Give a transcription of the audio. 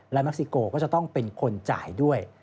และมักซิโกก็จะต้องเป็นคนจ่ายด้วย